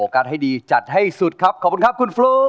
การ์ให้ดีจัดให้สุดครับขอบคุณครับคุณฟลุ๊ก